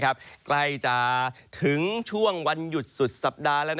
ใกล้จะถึงช่วงวันหยุดสุดสัปดาห์แล้ว